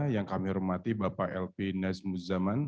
yang kami hormati bapak lv nes muzaman